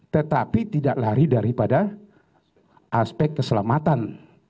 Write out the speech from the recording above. tetapi tidak lari daripada aspek keselamatan